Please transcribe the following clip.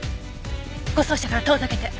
護送車から遠ざけて。